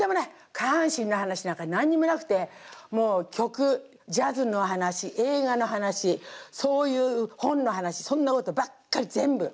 下半身の話なんか何にもなくてもう曲ジャズの話映画の話そういう本の話そんなことばっかり全部。